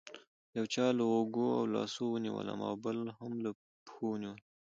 یو چا له اوږو او لاسونو ونیولم او بل هم له پښو ونیولم.